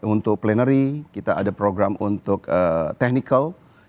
untuk plenary kita ada program untuk technical